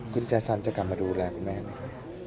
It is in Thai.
คืนเจสันจะกลับมาดูแลคุณแม่มั้ย